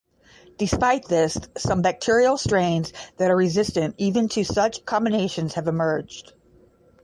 Despite this, some bacterial strains that are resistant even to such combinations have emerged.